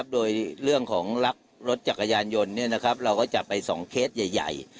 โดยเรื่องของลักรถจักรยานยนต์เราก็จะไป๒เคสใหญ่